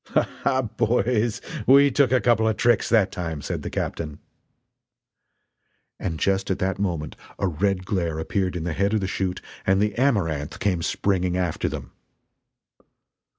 "Ha ha, boys, we took a couple of tricks that time!" said the captain. And just at that moment a red glare appeared in the head of the chute and the Amaranth came springing after them!